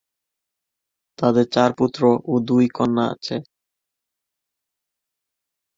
তাদের চার পুত্র ও দুই কন্যা আছে।